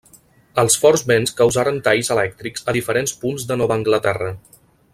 Els forts vents causaren talls elèctrics a diferents punts de Nova Anglaterra.